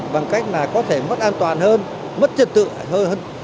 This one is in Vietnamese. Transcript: bằng cách là có thể mất an toàn hơn mất trật tự hơn